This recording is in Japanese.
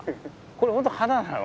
これ本当花なの？